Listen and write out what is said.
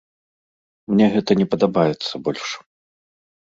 Мне гэта не падабаецца больш.